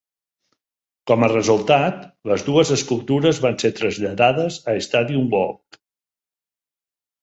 Com a resultat, les dues escultures van ser traslladades a Stadium Walk.